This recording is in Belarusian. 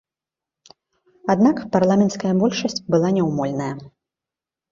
Аднак парламенцкая большасць была няўмольная.